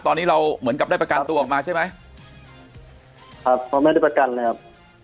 ตอนนี้เราเหมือนกับได้ประกันตัวออกมาใช่ไหมครับเพราะไม่ได้ประกันเลยครับ